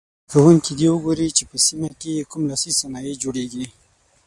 زده کوونکي دې وګوري چې په سیمه کې یې کوم لاسي صنایع جوړیږي.